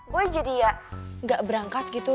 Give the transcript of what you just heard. gue jadi ya nggak berangkat gitu